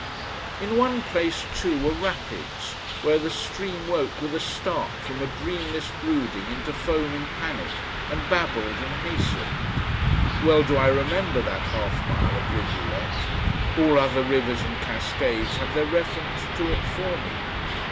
In one place, too, were Rapids, where the stream woke with a start from a dreamless brooding into foaming panic and babbled and hastened. Well do I remember that half mile of rivulet; all other rivers and cascades have their reference to it for me.